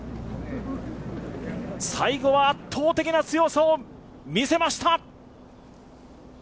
最後は圧倒的な強さを見せました。